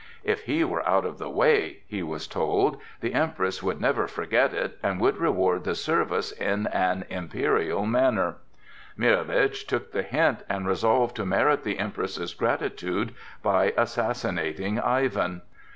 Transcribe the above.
"If he were out of the way," he was told, "the Empress would never forget it, and would reward the service in an imperial manner." Mirowitch took the hint and resolved to merit the Empress's gratitude by assassinating Ivan.